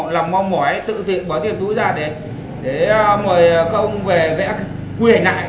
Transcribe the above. làm mong mỏi tự diện bỏ tiền túi ra để mời các ông về vẽ quy hệ ngại